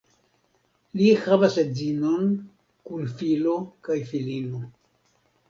Li havas edzinon kun filo kaj filino.